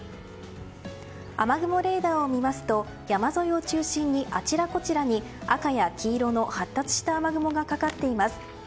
雨雲レーダーを見ますと山沿いを中心にあちらこちらに赤や黄色の発達した雨雲がかかっています。